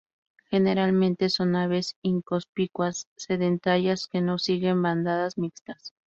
Generalmente son aves inconspicuas, sedentarias, que no siguen bandadas mixtas.